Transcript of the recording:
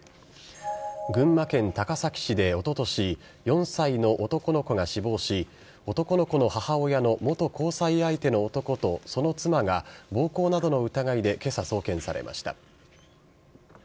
群馬県高崎市でおととし、４歳の男の子が死亡し、男の子の母親の元交際相手の男とその妻が、暴行などの疑いでけさ送検されました。